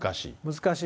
難しい。